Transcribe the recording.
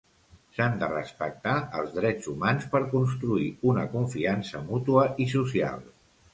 S'han de respectar els drets humans per construir una confiança mútua i social.